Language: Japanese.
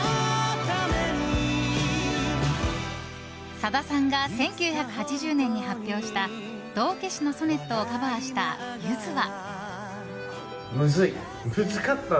さださんが１９８０年に発表した「道化師のソネット」をカバーしたゆずは。